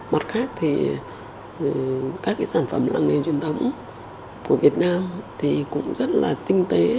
mặt khác thì các cái sản phẩm làng nghề truyền thống của việt nam thì cũng rất là tinh tế